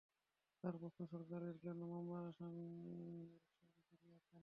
তাঁর প্রশ্ন, সরকার কেন মামলার প্রধান আসামি নূর হোসেনকে ফিরিয়ে আনছে না।